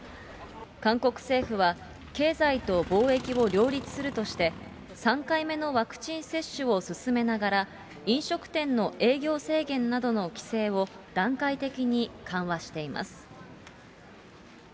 韓国政府は経済と防疫を両立するとして、３回目のワクチン接種を進めながら、飲食店の営業制限などの規制を段階的に緩和しています。